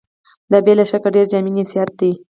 دا بې له شکه ډېر جامع نصيحت دی.